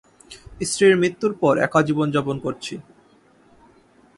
স্ত্রীর মৃত্যুর পর একা জীবন- যাপন করছি।